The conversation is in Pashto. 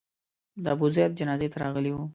د ابوزید جنازې ته راغلي وو.